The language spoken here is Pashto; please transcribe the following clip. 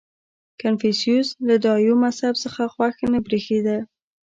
• کنفوسیوس له دایو مذهب څخه خوښ نه برېښېده.